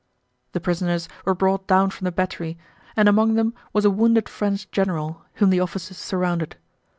The prisoners were brought down from the battery and among them was a wounded French general, whom the officers surrounded.